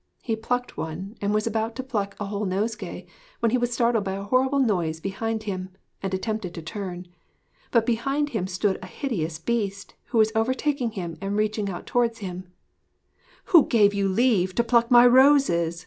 He plucked one, and was about to pluck a whole nosegay, when he was startled by a horrible noise behind him, and attempted to turn. But behind him stood a hideous Beast who was overtaking him and reaching out towards him. 'Who gave you leave to pluck my roses?'